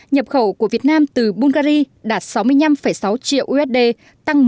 nhập khẩu của việt nam từ bungary đạt sáu mươi năm sáu triệu usd tăng một trăm năm mươi bảy